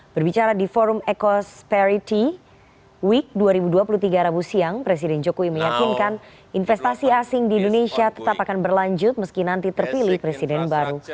berbicara di forum ecosperity week dua ribu dua puluh tiga rabu siang presiden jokowi meyakinkan investasi asing di indonesia tetap akan berlanjut meski nanti terpilih presiden baru